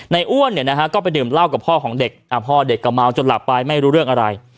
อ้วนเนี่ยนะฮะก็ไปดื่มเหล้ากับพ่อของเด็กพ่อเด็กก็เมาจนหลับไปไม่รู้เรื่องอะไร